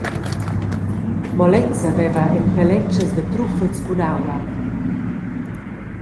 Mo lezza veva en pelletschas da truffels cun aua.